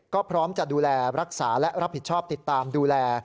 ก็พร้อมจะดูแลรักษาและรับผิดชอบติดตามดูแล